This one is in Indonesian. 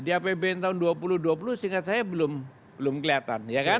di apbn tahun dua ribu dua puluh seingat saya belum kelihatan